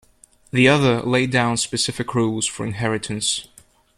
The other laid down specific rules for inheritance.